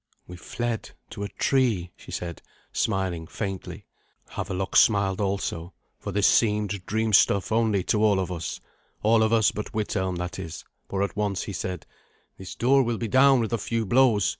"We fled to a tree," she said, smiling faintly. Havelok smiled also, for this seemed dream stuff only to all of us all of us but Withelm, that is, for at once he said, "This door will be down with a few blows.